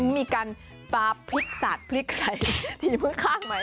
มีการปาพริกสัดพริกใสทีเมื่อข้างไหม